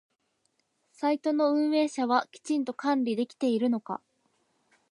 サイトの運営者はきちんと管理できているのか？